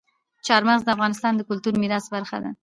چار مغز د افغانستان د کلتوري میراث برخه ده.